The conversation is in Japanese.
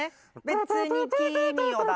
「別に君を」だ。